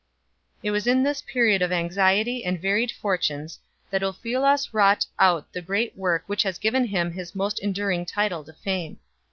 423 It was in this period of anxiety and varied fortunes that Ulfilas wrought out the great work which has given him his most enduring title to fame.